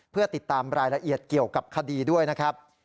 เพื่อติดตามรายละเอียดเกี่ยวกับคดีด้วยนะครับ